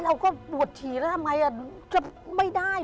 เราก็ปวดฉี่แล้วทำไมจะไม่ได้